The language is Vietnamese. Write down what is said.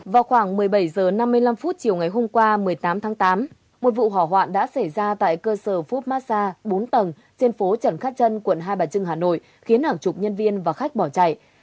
vào khoảng một mươi bảy h năm mươi năm chiều ngày hôm qua một mươi tám tháng tám một vụ hỏa hoạn đã xảy ra tại cơ sở food massage bốn tầng trên phố trần khát trân quận hai bà trưng hà nội khiến hàng chục nhân viên và khách bỏ chạy